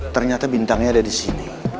ternyata bintangnya ada disini